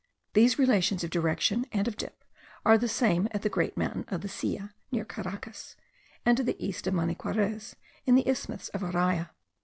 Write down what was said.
These relations of direction and of dip are the same at the great mountain of the Silla, near Caracas, and to the east of Maniquarez, in the isthmus of Araya.